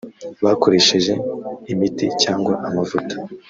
bakoresheje imiti cyangwa amavuta